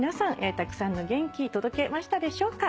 たくさんの元気届きましたでしょうか？